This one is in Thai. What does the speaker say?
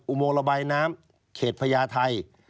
โมงระบายน้ำเขตพญาไทย